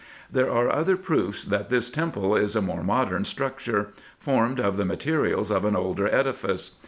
There are other proofs that this temple is a more modern structure, formed of the materials of an older edifice.